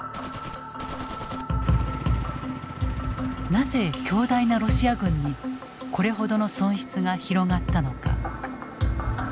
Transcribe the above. なぜ強大なロシア軍にこれほどの損失が広がったのか。